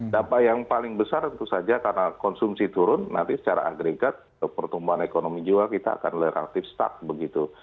dampak yang paling besar itu saja karena konsumsi turun nanti secara agregat pertumbuhan ekonomi juga kita akan relatif start